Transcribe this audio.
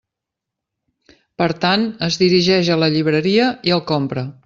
Per tant, es dirigeix a la llibreria i el compra.